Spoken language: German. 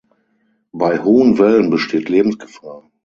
Bei hohen Wellen besteht Lebensgefahr.